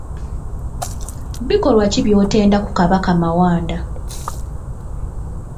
Bikolwa ki by'otenda ku Kabaka Mawanda?